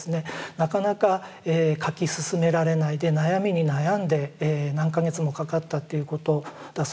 なかなか描き進められないで悩みに悩んで何か月もかかったっていうことだそうなんですけれども。